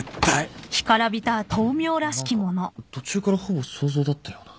何か途中からほぼ想像だったような。